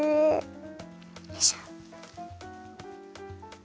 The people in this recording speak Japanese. よいしょ。